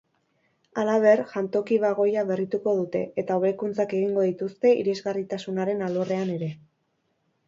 Halaber, jantoki-bagoia berrituko dute, eta hobekuntzak egingo dituzte irisgarritasunaren alorrean ere.